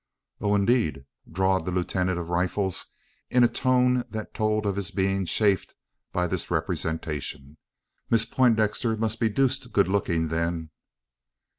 "Oh, indeed!" drawled the lieutenant of rifles, in a tone that told of his being chafed by this representation. "Miss Poindexter must be deuced good looking, then."